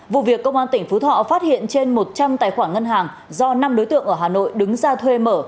vụ việc công an tỉnh phú thọ phát hiện trên một trăm linh tài khoản ngân hàng do năm đối tượng ở hà nội đứng ra thuê mở